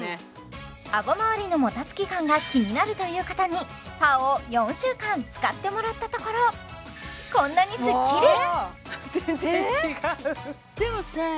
あごまわりのもたつき感が気になるという方にＰＡＯを４週間使ってもらったところこんなにスッキリ！